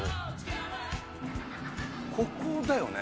ここだよね？